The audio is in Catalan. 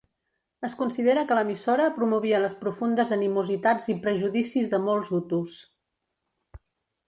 Es considera que l'emissora promovia les profundes animositats i prejudicis de molts hutus.